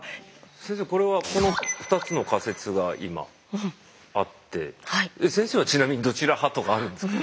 先生これはこの２つの仮説が今あって先生はちなみにどちら派とかあるんですか？